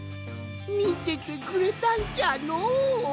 みててくれたんじゃのう。